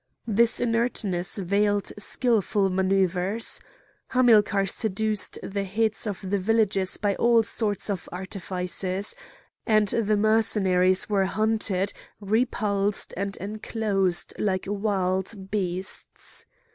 This inertness veiled skilful manouvres. Hamilcar seduced the heads of the villages by all sorts of artifices; and the Mercenaries were hunted, repulsed, and enclosed like wild beasts.